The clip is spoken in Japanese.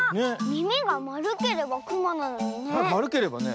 みみがまるければくまなのにね。